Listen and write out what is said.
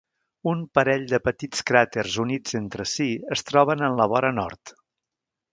Un parell de petits cràters units entre si es troben en la vora nord.